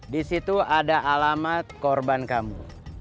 di situ ada alamat korban kamu